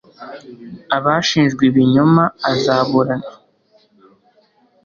Abashinjwe ibinyoma azaburanira kugeza imperuka